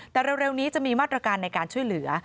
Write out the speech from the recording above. แต่เร็วนี้จะมีมาตรการในการช่วยเหลือ